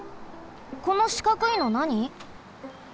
このしかくいのなに？